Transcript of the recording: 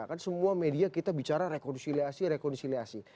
kan semua media kita bicara rekonsiliasi rekonsiliasi